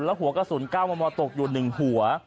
แล้วหักกระสุนเก้ามะมาตกอยู่๑หัว